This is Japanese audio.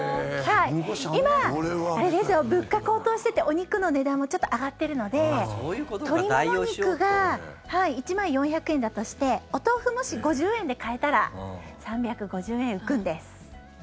今、物価高騰しててお肉の値段もちょっと上がってるので鶏もも肉が１枚４００円だとしてお豆腐、もし５０円で買えたら３５０円浮くんです。